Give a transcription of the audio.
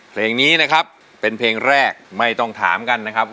เพลงนี้นะครับเป็นเพลงแรกไม่ต้องถามกันนะครับ